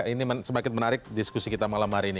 ini semakin menarik diskusi kita malam hari ini